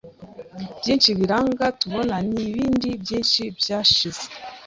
byinshi biranga tubona nibindi byinshi byashize